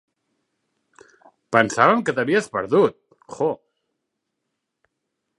Pensàvem que t'havies perdut, Jo!